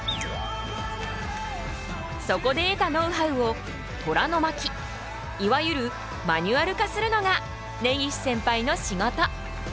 そこで得たノウハウを虎の巻いわゆるマニュアル化するのが根岸センパイの仕事。